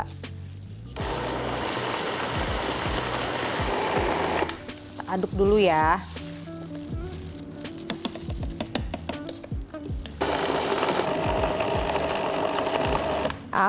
kita aduk dulu ya